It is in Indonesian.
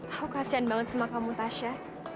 aku kasian banget sama kamu tasya